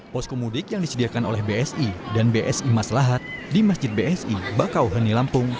posko mudik yang disediakan oleh bsi dan bsi mas lahat di masjid bsi bakauheni lampung